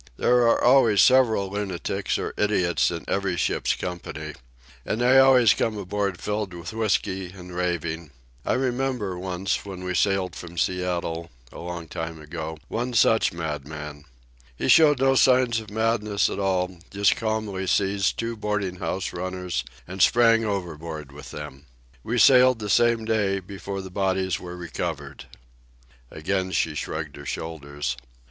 There are always several lunatics or idiots in every ship's company. And they always come aboard filled with whiskey and raving. I remember, once, when we sailed from Seattle, a long time ago, one such madman. He showed no signs of madness at all; just calmly seized two boarding house runners and sprang overboard with them. We sailed the same day, before the bodies were recovered." Again she shrugged her shoulders.